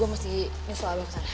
gue mesti nyesel abang kesana